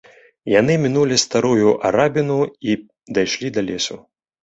Яны мінулі старую арабіну і дайшлі да лесу.